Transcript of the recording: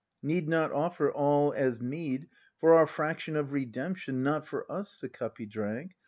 Need not offer All as meed For our fraction of Redemption Not for us the cup He drank.